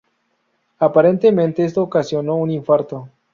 Aparentemente esto ocasionó un infarto.